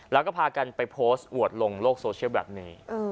แล้วก็พากันไปโพสต์อวดลงโลกโซเชียลแบบนี้